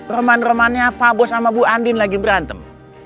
roman romannya pak bos sama bu andin lagi berantem